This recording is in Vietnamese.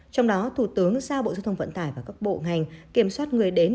trong đó thủ tướng giao bộ giao thông vận tải và các bộ ngành kiểm soát người đến